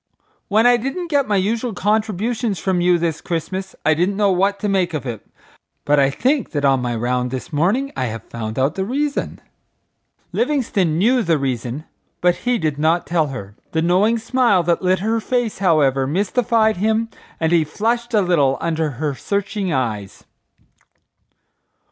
When I didn't get my usual contributions from you this Christmas I didn't know what to make of it, but I think that on my round this morning I have found out the reason?" Livingstone knew the reason, but he did not tell her. The knowing smile that lit her face, however, mystified him and he flushed a little under her searching eyes.